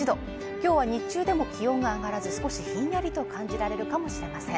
今日は日中でも気温が上がらず少しひんやりと感じられるかもしれません。